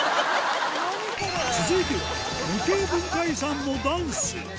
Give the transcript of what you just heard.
続いては、無形文化遺産のダンス。